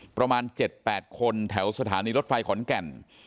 ประมาณ๗๘คนแถวสถานีรถไฟขอนแก่น